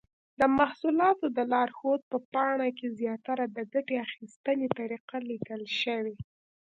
د محصولاتو د لارښود په پاڼه کې زیاتره د ګټې اخیستنې طریقه لیکل شوې.